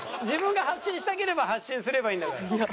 自分が発信したければ発信すればいいんだから。